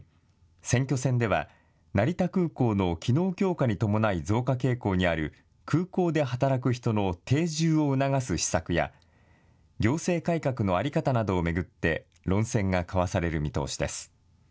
選挙戦では成田空港の機能強化に伴い増加傾向にある空港で働く人の定住を促す施策や行政改革の在り方などを巡って論戦が交わされる見通しです。